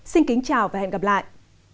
xin kính chào và hẹn gặp lại